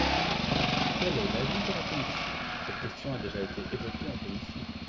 Quel est l’avis de la commission ? Cette question a déjà été évoquée en commission.